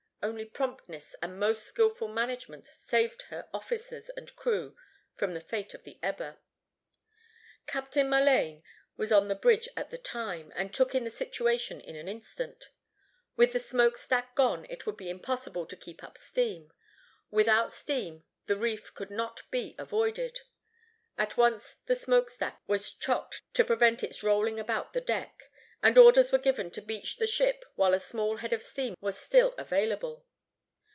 Only promptness and most skillful management saved her officers and crew from the fate of the Eber. Captain Mullane was on the bridge at the time, and took in the situation in an instant. With the smoke stack gone it would be impossible to keep up steam; without steam the reef could not be avoided. At once the smoke stack was chocked to prevent its rolling about the deck, and orders were given to beach the ship while a small head of steam was still available.